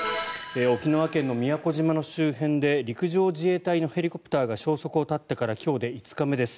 沖縄県の宮古島の周辺で陸上自衛隊のヘリコプターが消息を絶ってから今日で５日目です。